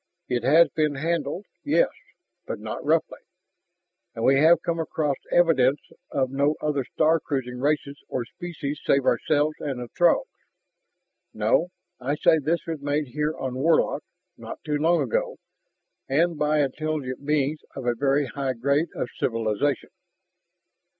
It has been handled, yes, but not roughly. And we have come across evidences of no other star cruising races or species save ourselves and the Throgs. No, I say this was made here on Warlock, not too long ago, and by intelligent beings of a very high grade of civilization."